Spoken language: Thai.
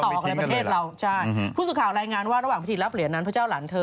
ต่อออกกับประเทศเราพูดสุข่าวรายงานว่าระหว่างพฤติรับเหรียญนั้นพระเจ้าหลังเธอ